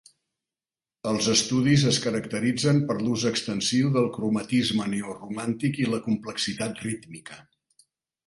Els estudis es caracteritzen per l'ús extensiu del cromatisme neoromàntic i la complexitat rítmica.